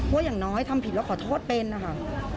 อย่างน้อยทำผิดแล้วขอโทษเป็นนะคะ